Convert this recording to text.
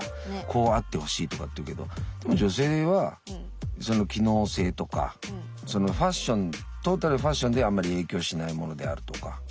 こうあってほしいとかっていうけどでも女性は機能性とかファッショントータルファッションであんまり影響しないものであるとか。